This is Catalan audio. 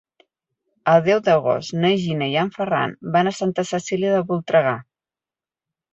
El deu d'agost na Gina i en Ferran van a Santa Cecília de Voltregà.